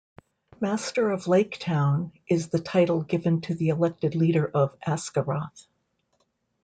"Master of Lake-town" is the title given to the elected leader of Esgaroth.